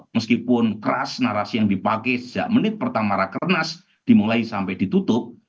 meskipun keras narasi yang dipakai sejak menit pertama rakernas dimulai sampai ditutup